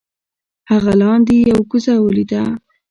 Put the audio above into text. هغه لاندې یو کوزه ولیده.